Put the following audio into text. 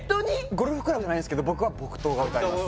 ゴルフクラブじゃないですけど僕は木刀が置いてあります